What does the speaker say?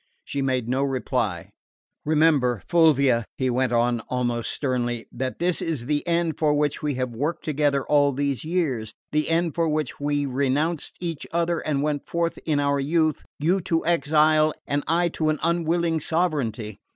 She made no reply. "Remember, Fulvia," he went on almost sternly, "that this is the end for which we have worked together all these years the end for which we renounced each other and went forth in our youth, you to exile and I to an unwilling sovereignty.